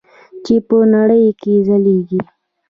چې په نړۍ کې ځلیږي.